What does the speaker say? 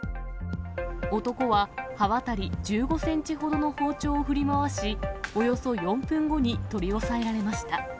男は刃渡り１５センチほどの包丁を振り回し、およそ４分後に取り押さえられました。